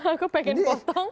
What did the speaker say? aku pengen potong